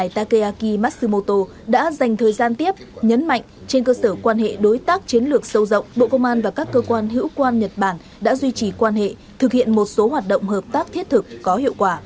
takeaki matsumoto đã dành thời gian tiếp nhấn mạnh trên cơ sở quan hệ đối tác chiến lược sâu rộng bộ công an và các cơ quan hữu quan nhật bản đã duy trì quan hệ thực hiện một số hoạt động hợp tác thiết thực có hiệu quả